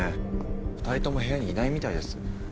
二人とも部屋にいないみたいです。